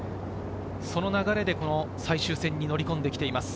その流れで最終戦に乗り込んできています。